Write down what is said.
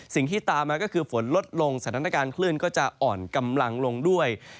สิ่งที่ตามมาก็คือฝนลดลงสถานการณ์คลื่นก็จะอ่อนกำลังลงด้วย